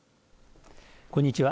こんにちは。